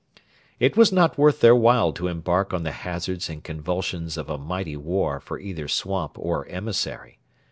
It was not worth their while to embark on the hazards and convulsions of a mighty war for either swamp or emissary.